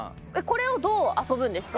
これをどう遊ぶんですか？